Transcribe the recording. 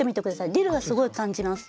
ディルはすごい感じます。